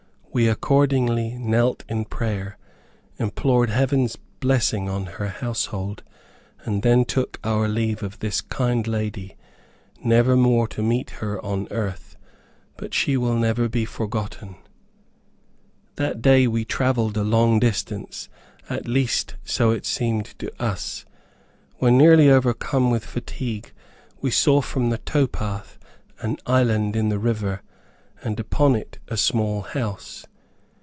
We accordingly knelt in prayer; implored heaven's blessing on her household, and then took our leave of this kind lady, never more to meet her on earth; but she will never be forgotten. That day we traveled a long distance, at least, so it seemed to us. When nearly overcome with fatigue, we saw from the tow path an island in the river, and upon it a small house.